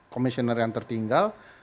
komisioner yang tertinggal